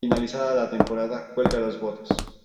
Finalizada la temporada cuelga las botas.